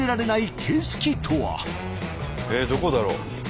えっどこだろう？